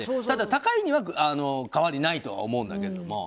ただ、高いには変わりないと思うんだけど。